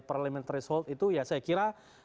parliamentary hold itu ya saya kira